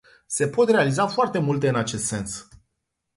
Se pot realiza foarte multe în acest sens.